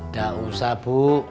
gak usah bu